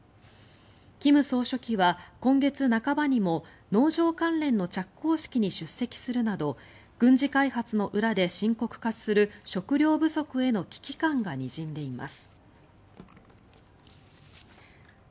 金総書記は、今月半ばにも農場関連の着工式に出席するなど軍事開発の裏で深刻化する食料不足への危機感がにじんでいます。